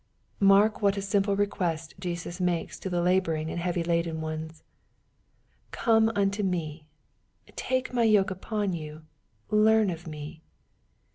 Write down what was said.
Mark what a simple request Jesus makes to the labor ing and heavy laden ones. " Come unto me :— Take my yoke upon you, learn of me."